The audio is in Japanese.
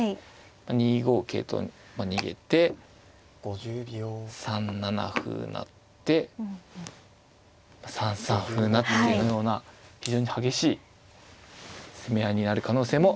２五桂と逃げて３七歩成って３三歩成ってのような非常に激しい攻め合いになる可能性もあります。